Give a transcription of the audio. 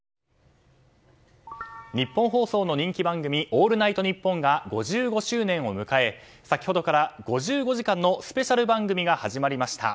ニッポン放送の人気番組「オールナイトニッポン」が５５周年を迎え先ほどから５５時間のスペシャル番組が始まりました。